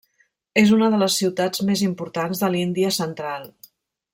És una de les ciutats més importants de l'Índia central.